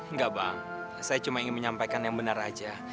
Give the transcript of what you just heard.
enggak bang saya cuma ingin menyampaikan yang benar aja